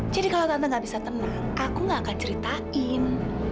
jadi kalau tante gak bisa tenang aku gak akan ceritain